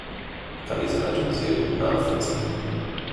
Ich kann diese Haltung sehr gut nachvollziehen.